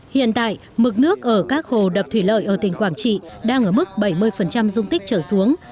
hiện tại mực nước ở các hồ đập thủy lợi ở tỉnh quảng trị đang ở mức bảy mươi dung tích trở xuống